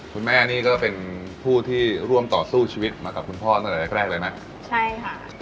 คุณแม่นี่ก็เป็นผู้ที่ร่วมต่อสู้ชีวิตมากับคุณพ่อตั้งแต่แรกแรกเลยนะใช่ค่ะ